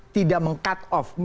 tidak meng cut off